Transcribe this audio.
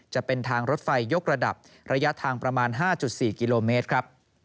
จะเป็นทางรถไฟยกระดับระยะทางประมาณ๕๔กิโลเมตรครับ